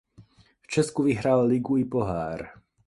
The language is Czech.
V Česku vyhrál ligu i pohár.